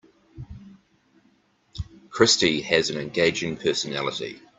Christy has an engaging personality.